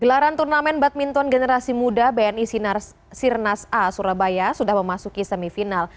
gelaran turnamen badminton generasi muda bni sirnas a surabaya sudah memasuki semifinal